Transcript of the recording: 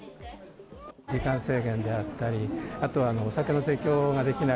時間制限であったり、あとはお酒の提供ができない。